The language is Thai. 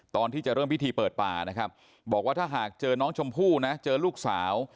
ตอนที่จะเริ่มพิธีเปิดป่านะครับบอกว่าถ้าหากเจอน้องชมพู่นะเจอลูกสาว